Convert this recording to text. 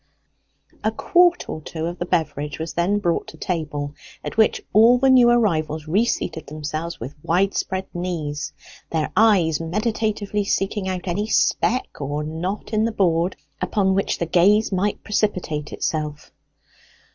A quart or two of the beverage was then brought to table, at which all the new arrivals reseated themselves with wide spread knees, their eyes meditatively seeking out any speck or knot in the board upon which the gaze might precipitate itself.